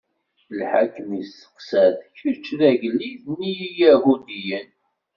Lḥakem isteqsa-t: Kečč, d agellid n Iyahudiyen?